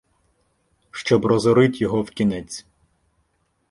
Щоб розорить його вкінець.